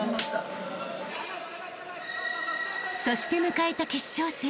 ［そして迎えた決勝戦。